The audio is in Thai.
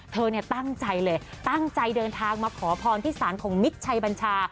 เธอเนี่ยตั้งใจเลยตั้งใจเดินทางมาขอพรที่ศาลของมิตรชัยบัญชา